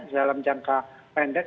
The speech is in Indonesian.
dalam jangka pendek